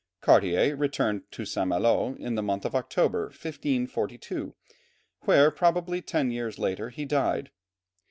Cartier returned to St. Malo in the month of October, 1542, where, probably ten years later, he died.